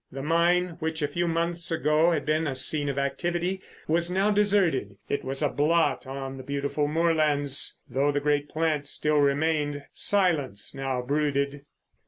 The mine, which a few months ago had been a scene of activity, was now deserted. It was a blot on the beautiful moorlands. Though the great plant still remained, silence now brooded.